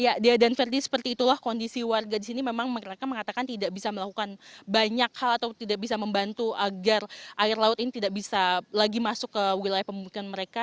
ya dia dan verdi seperti itulah kondisi warga di sini memang mereka mengatakan tidak bisa melakukan banyak hal atau tidak bisa membantu agar air laut ini tidak bisa lagi masuk ke wilayah pemukiman mereka